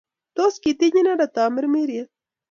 Tos kitiny inendet tamirmiriet?